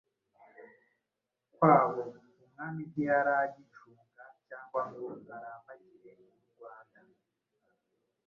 Kwabo Umwami ntiyari agicunga cyangwa ngo arambagire u Rwanda